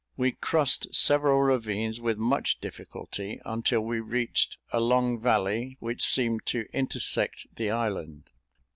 We crossed several ravines, with much difficulty, until we reached a long valley, which seemed to intersect the island.